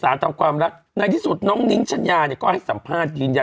ทำความรักในที่สุดน้องนิ้งชัญญาเนี่ยก็ให้สัมภาษณ์ยืนยัน